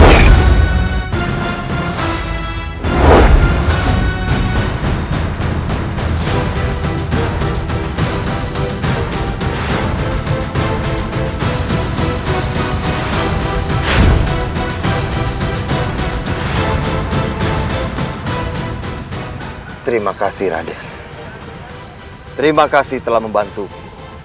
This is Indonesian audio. terima kasih raden terima kasih telah membantuku